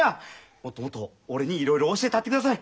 もっともっと俺にいろいろ教えたってください。